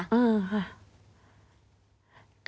อืมค่ะ